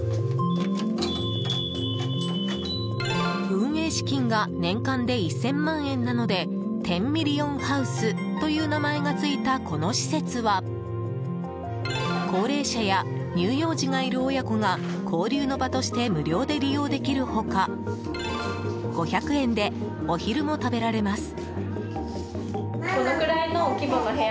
運営資金が年間で１０００万円なのでテンミリオンハウスという名前がついた、この施設は高齢者やがいる親子が交流の場として無料で利用できる他５００円でお昼も食べられます。